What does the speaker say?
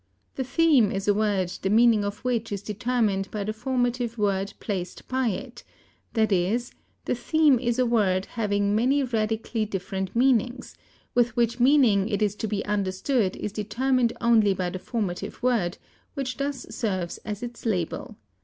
The theme is a word the meaning of which is determined by the formative word placed by it; that is, the theme is a word having many radically different meanings; with which meaning it is to be understood is determined only by the formative word, which thus serves as its label.